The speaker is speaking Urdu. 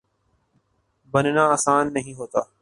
بننا آسان نہیں ہوتا